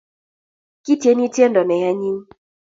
kityeni tiendo ne anyiny